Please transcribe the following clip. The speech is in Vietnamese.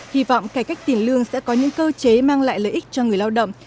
hy vọng cải cách tiền lương sẽ có những cơ chế mang lại lợi ích cho người lao động